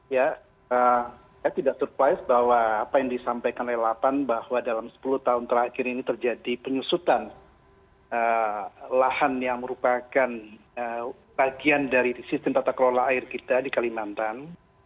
ya saya tidak surprise bahwa apa yang disampaikan oleh lapan bahwa dalam sepuluh tahun terakhir ini terjadi penyusutan lahan yang merupakan bagian dari sistem tata kelola air kita di kalimantan